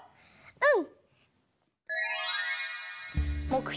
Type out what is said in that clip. うん！